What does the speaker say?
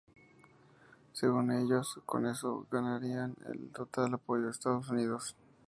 Según ellos, con eso se ganarían el total apoyo de Estados Unidos.